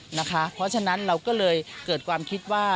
เพราะฉะนั้นเราก็เลยเกิดความคิดว่า